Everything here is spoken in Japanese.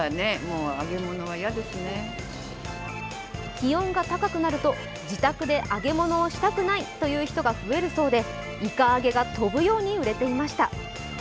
気温が高くなると自宅で揚げ物をしたくないという人が増えるそうでいか揚げが飛ぶように売れていました。